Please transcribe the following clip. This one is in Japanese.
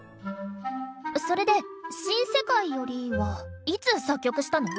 それで「新世界より」はいつ作曲したの？